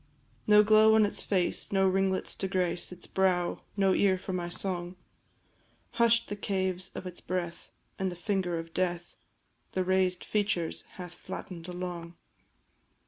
No glow on its face, no ringlets to grace Its brow, and no ear for my song; Hush'd the caves of its breath, and the finger of death The raised features hath flatten'd along.